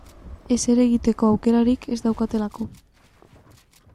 Ezer egiteko aukerarik ez daukatelako.